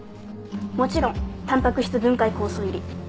もちろんタンパク質分解酵素入り。